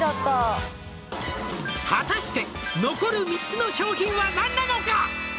「果たして残る３つの商品は何なのか！？」